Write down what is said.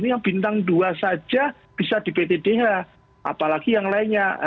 ini yang bintang dua saja bisa di pt dh apalagi yang lainnya